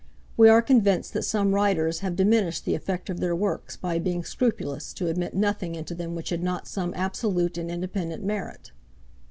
We are convinced that some writers have diminished the effect of their works by being scrupulous to admit nothing into them which had not some absolute and independent merit.